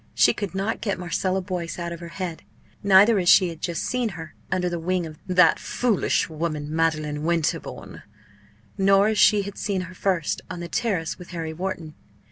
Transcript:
She could not get Marcella Boyce out of her head neither as she had just seen her, under the wing of "that foolish woman, Madeleine Winterbourne," nor as she had seen her first, on the terrace with Harry Wharton.